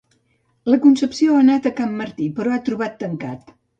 La Concepció ha anat a can Martí però ha trobat tancat